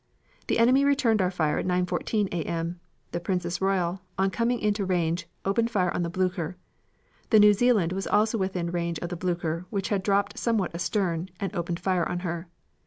The enemy returned our fire at 9.14 A. M., the Princess Royal, on coming into range, opened fire on the Blucher. The New Zealand was also within range of the Blucher which had dropped somewhat astern, and opened fire on her.